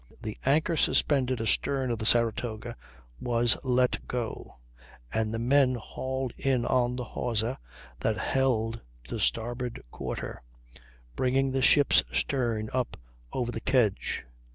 The anchor suspended astern of the Saratoga was let go, and the men hauled in on the hawser that led to the starboard quarter, bringing the ship's stern up over the kedge.